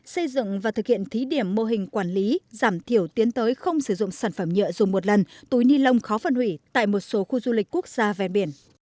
xây dựng và thực hiện thí điểm mô hình quản lý giảm thiểu tiến tới không sử dụng sản phẩm nhựa dùng một lần túi ni lông khó phân hủy tại một số khu du lịch quốc gia ven biển